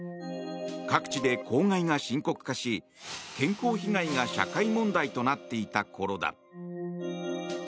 各地で公害が深刻化し健康被害が社会問題となっていたころだ。